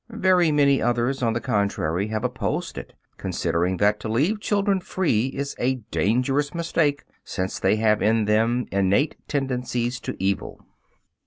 Very many others, on the contrary, have opposed it, considering that to leave children free is a dangerous mistake, since they have in them innate tendencies to evil.